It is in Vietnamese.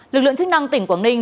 lực lượng chức năng tỉnh quảng ninh